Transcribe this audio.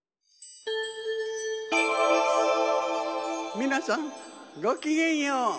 みなさんごきげんよう。